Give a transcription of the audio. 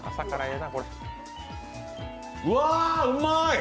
うわー、うまーい。